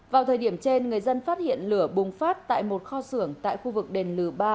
vào thời điểm trên người dân phát hiện lửa bùng phát tại một kho xưởng tại khu vực đền lừ ba